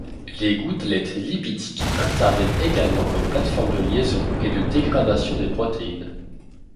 Les gouttelettes lipidiques interviennent également comme plateformes de liaison et de dégradation des protéines.